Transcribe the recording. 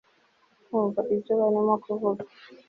kumva ibyo barimo kuvuga